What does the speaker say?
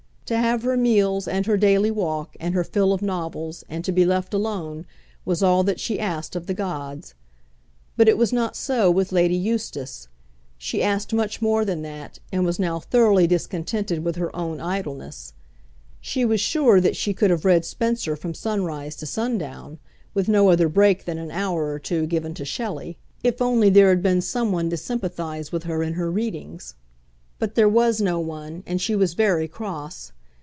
To have her meals, and her daily walk, and her fill of novels, and to be left alone, was all that she asked of the gods. But it was not so with Lady Eustace. She asked much more than that, and was now thoroughly discontented with her own idleness. She was sure that she could have read Spenser from sunrise to sundown, with no other break than an hour or two given to Shelley, if only there had been some one to sympathise with her in her readings. But there was no one, and she was very cross.